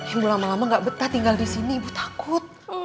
ibu lama lama gak betah tinggal disini ibu takut